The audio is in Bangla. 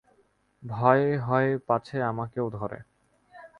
ভয় হয় পাছে আমাকেও ধরে।